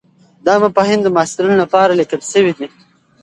دا مفاهیم د محصلینو لپاره لیکل شوي دي.